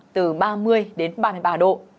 từ ba mươi ba mươi ba độ